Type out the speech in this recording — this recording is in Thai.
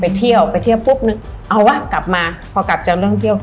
เที่ยวไปเที่ยวปุ๊บนึงเอาวะกลับมาพอกลับจากเรื่องเที่ยว